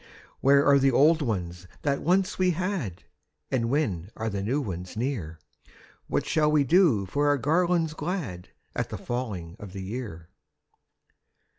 Where are the old ones that once we had, And when are the new ones near? What shall we do for our garlands glad At the falling of the year?"